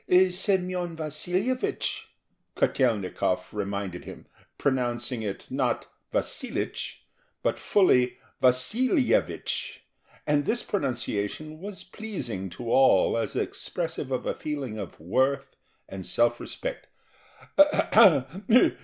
"Semyon Vasilyevich," Kotel'nikov reminded him, pronouncing it, not "Vasilich," but fully "Vasilyevich"; and this pronunciation was pleasing to all as expressive of a feeling of worth and self respect.